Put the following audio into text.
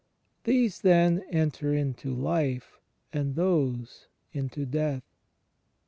These then enter into life; and those into death.